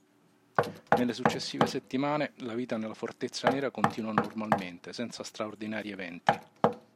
Nelle successive settimane, la vita nella Fortezza Nera continuò normalmente senza straordinari eventi.